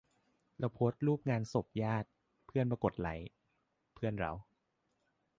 เราโพสต์รูปงานศพญาติ เพื่อนมากดไลก์ เพื่อนเรา